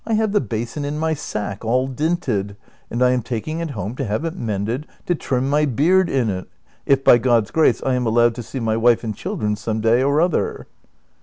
T have the basin in my sack all dinted, and I am taking it home to have it mended, to trim my beard in it, if, by God's grace, I am allowed to see my wife and children some day or other."